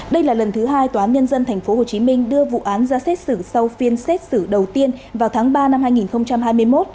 đây là lần thứ hai tòa án nhân dân tp hcm đưa vụ án ra xét xử sau phiên xét xử đầu tiên vào tháng ba năm hai nghìn hai mươi một